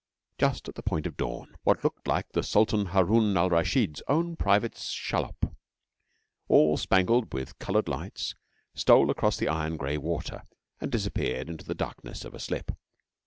Just at the point of dawn, what looked like the Sultan Harun al Raschid's own private shallop, all spangled with coloured lights, stole across the iron grey water, and disappeared into the darkness of a slip.